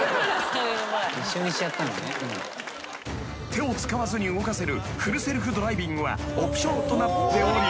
［手を使わずに動かせるフルセルフドライビングはオプションとなっており］